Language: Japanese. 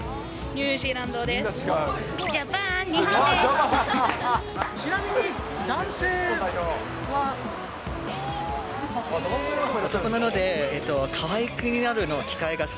ニュージーランドです。